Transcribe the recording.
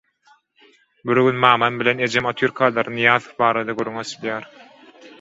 Bir gün mamam bilen ejem otyrkalar Nyýazow barada gürrüň açylýar.